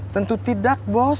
tentu tidak bos